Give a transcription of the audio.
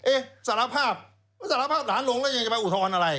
เอ๊ะสารภาพล้านหลงเลยจะไปอุทธรณ์อะไร